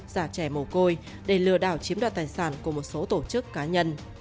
giả trẻ mồ côi để lừa đảo chiếm đoạt tài sản của một số tổ chức cá nhân